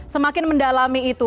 semakin mendalami itu